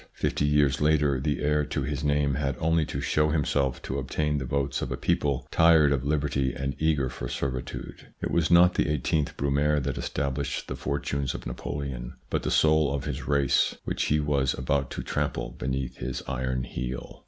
Fifty years later the heir to his name had only to show himself to obtain the votes of a people tired of liberty and eager for servitude. It was not the i8th Brumaire that established the fortunes of Napoleon, but the soul of his race which he was about to trample beneath his iron heel.